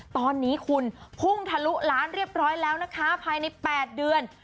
ตอนนี้คุณพุ่งทะลุล้านเรียบร้อยแล้วนะคะภายใน๘เดือน